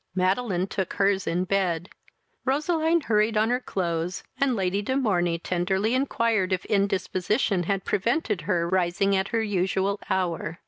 Madeline took her's in bed. Roseline hurried on her clothes, and Lady de Morney tenderly inquired if indisposition had prevented her rising at her usual hour.